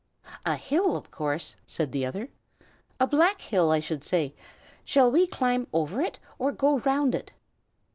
"A hill, of course!" said the other. "A black hill, I should say. Shall we climb over it, or go round it?"